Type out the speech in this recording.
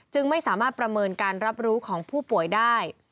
ไม่สามารถประเมินการรับรู้ของผู้ป่วยได้